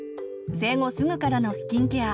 生後すぐからのスキンケア